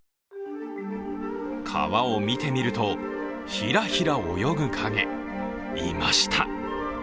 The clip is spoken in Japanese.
川を見てみると、ひらひら泳ぐ、かげいました。